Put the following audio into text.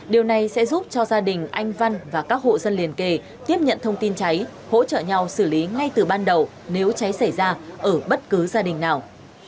điều này sẽ giúp cho gia đình anh văn và các hộ dân liền kề tiếp nhận thông tin cháy hỗ trợ nhau xử lý ngay từ ban đầu nếu cháy xảy ra ở bất cứ gia đình nào